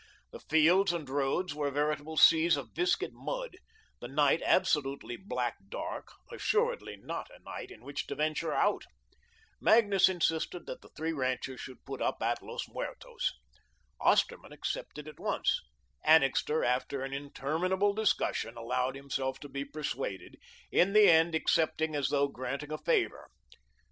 The fields and roads were veritable seas of viscid mud, the night absolutely black dark; assuredly not a night in which to venture out. Magnus insisted that the three ranchers should put up at Los Muertos. Osterman accepted at once, Annixter, after an interminable discussion, allowed himself to be persuaded, in the end accepting as though granting a favour.